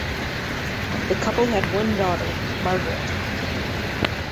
The couple had one daughter Margaret.